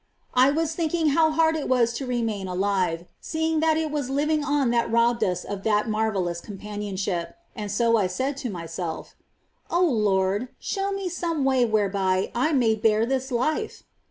I was thinking how hard it Avas to remain alive, seeing that it was living on that robbed us of that marvellous companionship ; and so I said to myself :" Lord, show me some way whereby I may bear this life